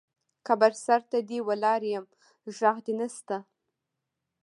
قبر سرته دې ولاړ یم غږ دې نه شــــته